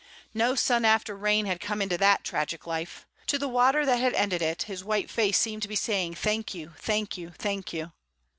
No sun after rain had come into that tragic life. To the water that had ended it his white face seemed to be saying, "Thank you, thank you, thank you."